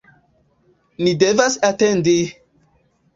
ni devas atendi!